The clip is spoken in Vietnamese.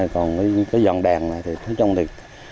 còn cái dòng đèn này thì